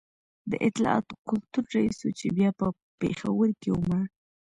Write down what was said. د اطلاعاتو کلتور رئیس و چي بیا په پېښور کي ومړ